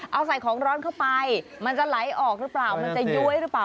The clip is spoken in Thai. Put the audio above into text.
เอาใส่ของร้อนเข้าไปมันจะไหลออกหรือเปล่ามันจะย้วยหรือเปล่า